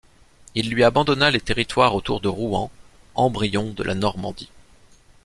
Il lui abandonna les territoires autour de Rouen, embryon de la Normandie.